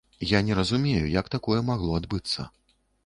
Я не разумею, як такое магло адбыцца.